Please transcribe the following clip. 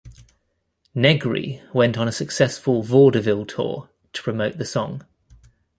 Negri went on a successful vaudeville tour to promote the song.